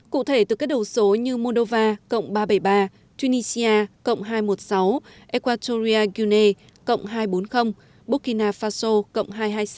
cụ thể từ các đầu số như moldova cộng ba trăm bảy mươi ba tunisia cộng hai trăm một mươi sáu equatoria guinea cộng hai trăm bốn mươi burkina faso cộng hai trăm hai mươi sáu